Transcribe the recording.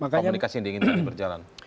komunikasi yang diinginkan bisa berjalan